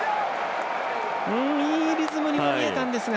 いいリズムに見えたんですが。